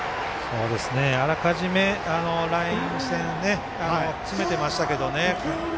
あらかじめライン線、詰めてましたけどね。